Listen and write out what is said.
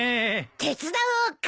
手伝おうか。